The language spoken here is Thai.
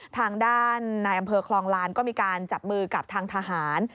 ทางด้านในอำเภอคลองลานก็มีการจับมือกับทางทหาร